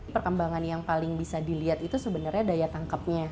perkembangan yang paling bisa dilihat itu sebenarnya daya tangkapnya